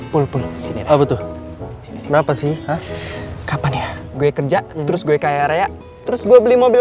pul pul sini apa tuh kenapa sih kapan ya gue kerja terus gue kayak raya terus gue beli mobil